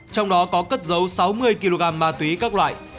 trong đó có cất dấu sáu mươi kg ma túy các loại